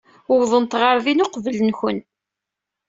Uwḍent ɣer din uqbel-nwen.